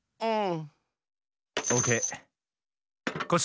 うん？